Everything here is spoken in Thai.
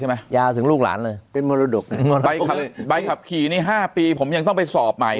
ยาวถึงลูกหลานเลยเป็นมรดกใบขับขี่นี่๕ปีผมยังต้องไปสอบใหม่